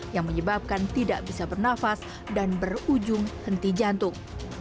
yang menyebabkan tidak bisa bernafas dan berujung henti jantung